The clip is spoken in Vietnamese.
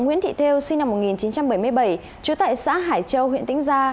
nguyễn thị theo sinh năm một nghìn chín trăm bảy mươi bảy trú tại xã hải châu huyện tĩnh gia